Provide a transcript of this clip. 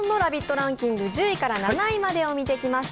ランキング、１０位から７位までを見てきました。